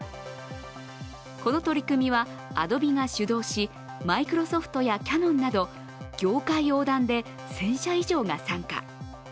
この取り組みはアドビが主導し、マイクロソフトやキャノンなど業界横断で１０００社以上が参加。